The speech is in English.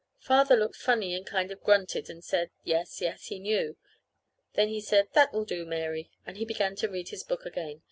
Father looked funny and kind of grunted and said, yes, yes, he knew. Then he said, "That will do, Mary." And he began to read his book again.